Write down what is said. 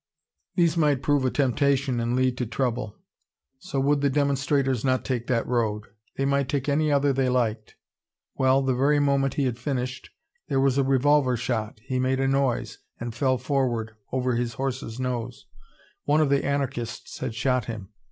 These might prove a temptation and lead to trouble. So would the demonstrators not take that road they might take any other they liked. Well, the very moment he had finished, there was a revolver shot, he made a noise, and fell forward over his horse's nose. One of the anarchists had shot him.